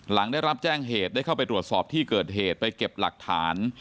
หลังได้รับแจ้งเหตุได้เข้าไปตรวจสอบที่เกิดเหตุไปเก็บหลักฐาน